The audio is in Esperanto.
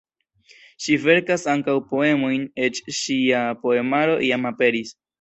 Ŝi verkas ankaŭ poemojn, eĉ ŝia poemaro jam aperis.